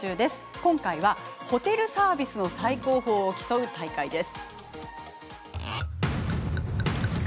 今回はホテルサービスの最高峰を競う大会です。